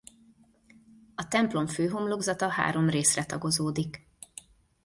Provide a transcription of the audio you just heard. A templom főhomlokzata három részre tagozódik.